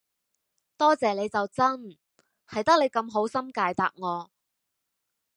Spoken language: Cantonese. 多謝你就真，係得你咁好心解答我